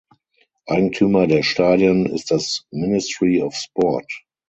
Eigentümer der Stadien ist das Ministry of Sport.